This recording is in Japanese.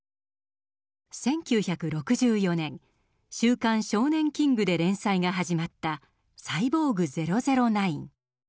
１９６４年「週刊少年キング」で連載が始まった「サイボーグ００９」。